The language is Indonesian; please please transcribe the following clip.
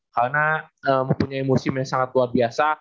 karena mempunyai emosi yang sangat luar biasa